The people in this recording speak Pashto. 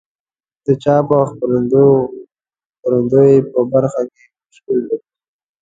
د چاپ او خپرندوی په برخه کې مشکل لرو.